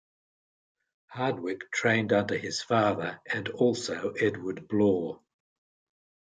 Hardwick trained under his father and also Edward Blore.